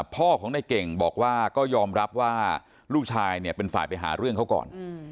พ่อของในเก่งบอกว่าก็ยอมรับว่าลูกชายเนี่ยเป็นฝ่ายไปหาเรื่องเขาก่อน